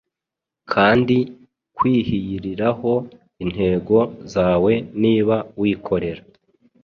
kandi kwihyiriraho intego zawe niba wikorera